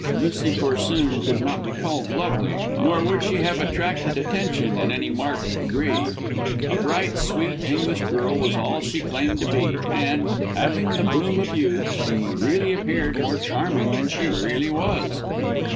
Lucy Corsoon could not be called lovely, nor would she have attracted attention in any marked degree. A bright, sweet English girl was all she claimed to be, and, having the bloom of youth, she really appeared more charming than she really was.